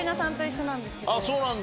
あっそうなんだ。